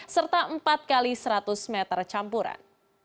serta empat x seratus meter campuran